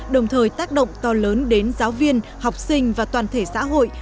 đồng thời tác động to lớn đến giáo viên học sinh và toàn thể xã hội